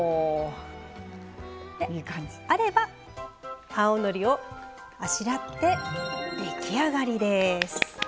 あれば、青のりをあしらって出来上がりです。